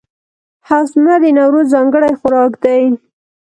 هفت میوه د نوروز ځانګړی خوراک دی.